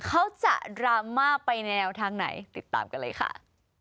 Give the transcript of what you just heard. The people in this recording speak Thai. เขาจะดราม่าไปในแนวทางไหนติดตามกันเลยค่ะ